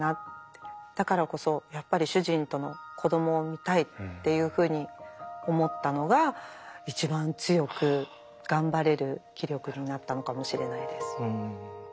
だからこそやっぱり主人との子どもを産みたいっていうふうに思ったのが一番強く頑張れる気力になったのかもしれないです。